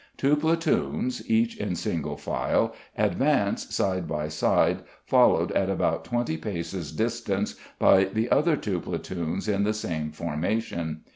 Two platoons, each in single file, advance side by side, followed at about 20 paces distance by the other two platoons in the same formation.